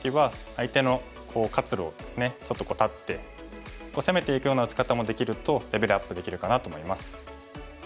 相手の活路をですねちょっと断って攻めていくような打ち方もできるとレベルアップできるかなと思います。